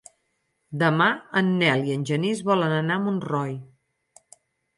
Demà en Nel i en Genís volen anar a Montroi.